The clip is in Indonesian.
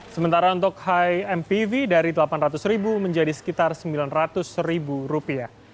sementara untuk high mpv dari rp delapan ratus menjadi sekitar rp sembilan ratus